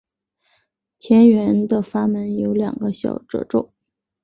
前缘的阀门有两个小皱褶。